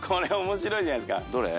どれ？